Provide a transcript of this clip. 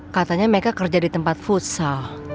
katanya mereka kerja di tempat futsal